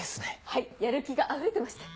はいやる気があふれてまして。